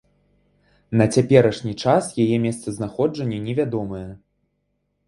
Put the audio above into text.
На цяперашні час яе месцазнаходжанне не вядомае.